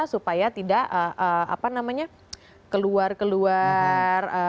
supaya tidak apa namanya keluar keluar